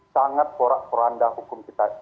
sangat korak koranda hukum kita